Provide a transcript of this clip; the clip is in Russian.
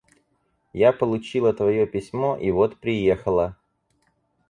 Я получила твое письмо и вот приехала.